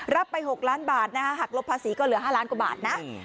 รับไป๖ล้านบาทนะฮะหักลบภาษีก็เหลือ๕ล้านกว่าบาทนะ